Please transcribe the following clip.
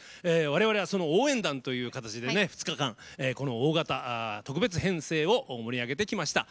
われわれは応援団という形で２日間この大型特別編成を盛り上げてきました。